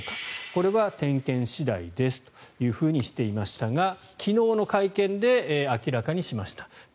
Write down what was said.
これは点検次第ですというふうにしていましたが昨日の会見で明らかにしました。